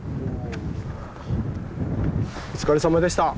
お疲れさまでした！